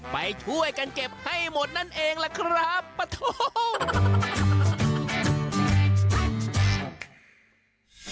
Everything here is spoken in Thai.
ไปช่วยกันเก็บให้หมดนั่นเองล่ะครับปะโถ